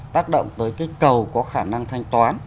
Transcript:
tác động tới cái cầu có khả năng thanh toán